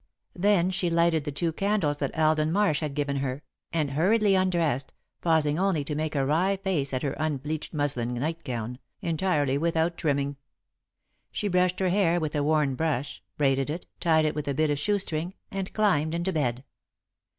Then she lighted the two candles that Alden Marsh had given her, and hurriedly undressed, pausing only to make a wry face at her unbleached muslin nightgown, entirely without trimming. She brushed her hair with a worn brush, braided it, tied it with a bit of shoestring, and climbed into bed.